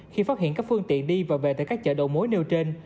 khi phát hiện các phương tiện đi và về từ các chợ đậu mối nêu trên